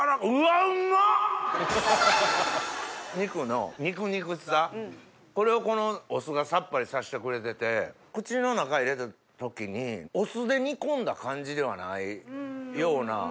肉のにくにくしさこれをこのお酢がさっぱりさせてくれてて口の中入れた時にお酢で煮込んだ感じではないような。